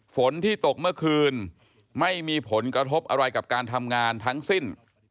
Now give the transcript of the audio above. ฝนที่ตกเมื่อคืนไม่มีผลกระทบอะไรกับการทำงานทั้งสิ้น